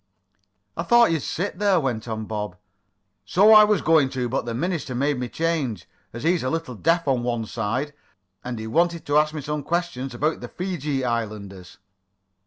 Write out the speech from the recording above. "I thought you'd sit there," went on Bob. "So I was going to, but the minister made me change, as he's a little deaf on one side, and he wanted to ask me some questions about the Fiji Islanders."